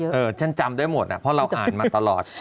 เออฉันจำได้หมดเพราะเราอ่านมาตลอด